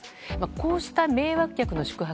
こうした迷惑客の宿泊